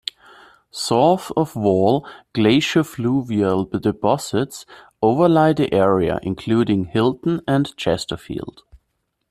South of Wall glaciofluvial deposits overlie the area including, Hilton and Chesterfield.